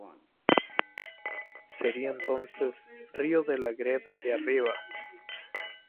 Sería entonces "río de la greda de arriba".